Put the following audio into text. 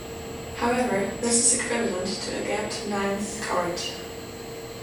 However, this is equivalent to a gapped ninth chord.